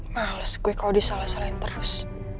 males gue kalo disalah salain terus